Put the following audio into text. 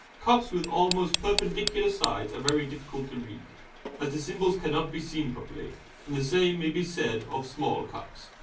Cups with almost perpendicular sides are very difficult to read, as the symbols cannot be seen properly, and the same may be said of small cups.